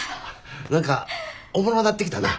何かおもろなってきたな。